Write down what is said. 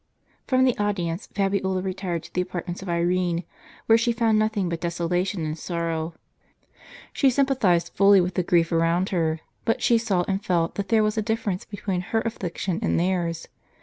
From the audience Fabiola retired to the apartments of Irene, where she found nothing but desolation and sorrow. She sympathized fully with the grief around her, but she saw and felt that there was a difference between her affliction and theirs.